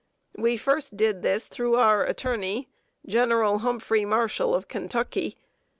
We first did this through our attorney, General Humphrey Marshall, of Kentucky.